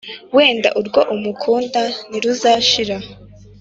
Wenda urwo umukunda ntiruzashira